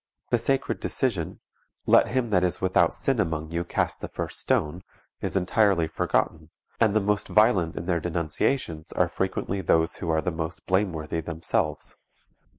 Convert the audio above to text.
The sacred decision, "Let him that is without sin among you cast the first stone," is entirely forgotten, and the most violent in their denunciations are frequently those who are the most blameworthy themselves.